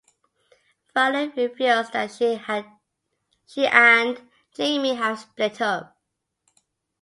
Violet reveals that she and Jamie have split up.